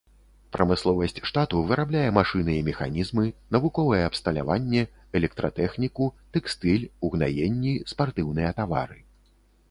Прамысловасць штату вырабляе машыны і механізмы, навуковае абсталяванне, электратэхніку, тэкстыль, угнаенні, спартыўныя тавары.